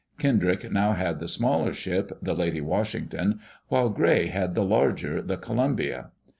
Kendrick now had the smaller ship, the Lady Washington, while Gray had the larger, the Columbia.